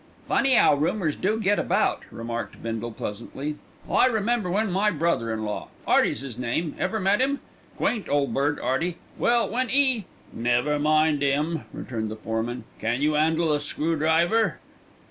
"Funny 'ow rumours do get about," remarked Bindle pleasantly. "I remember when my brother in law, 'Earty's 'is name ever met him? Quaint ole bird, 'Earty. Well, when 'e " "Never mind 'im," returned the foreman, "can you 'andle a screw driver?"